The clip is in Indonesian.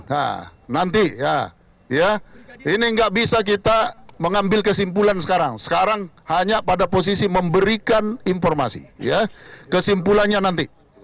nah nanti ya ini nggak bisa kita mengambil kesimpulan sekarang sekarang hanya pada posisi memberikan informasi ya kesimpulannya nanti